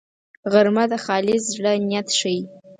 غرمه د خالص زړه نیت ښيي